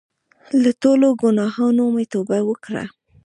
له ټولو ګناهونو مې توبه وکړه.